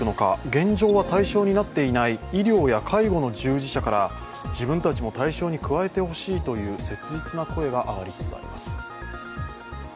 現状は対象になっていない医療や介護の従事者から自分たちも対象に加えてほしいという切実な声が上がりつつあります。